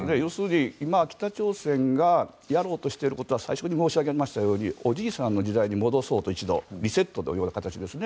今、北朝鮮がやろうとしていることは最初に申し上げましたようにおじいさんの形に戻すリセットということですよね。